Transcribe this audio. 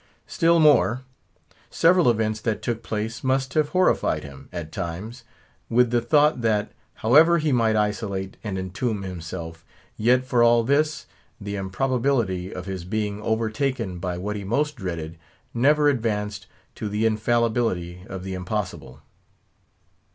Still more, several events that took place must have horrified him, at times, with the thought that, however he might isolate and entomb himself, yet for all this, the improbability of his being overtaken by what he most dreaded never advanced to the infallibility of the impossible.